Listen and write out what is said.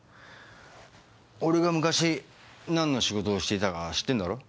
俺が昔何の仕事をしていたか知ってんだろ？